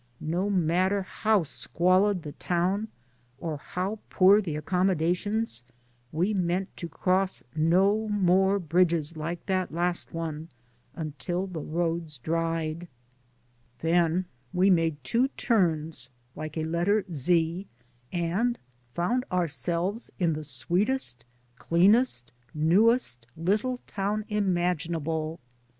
No matter how squalid the town, or how poor the accommodations, we meant to cross no more bridges like that last one until the roads dried I Then we made two turns like a letter Z and found ourselves in the sweetest, cleanest, newest little town imaginable.